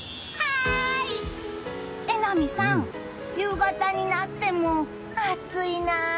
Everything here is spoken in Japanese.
榎並さん、夕方になっても暑いなあ。